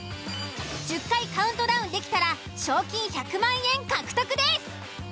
１０回カウントダウンできたら賞金１００万円獲得です。